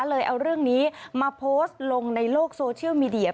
เลยเอาเรื่องนี้มาโพสต์ลงในโลกโซเชียลมีเดีย